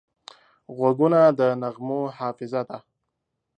غوږونه د نغمو حافظه ده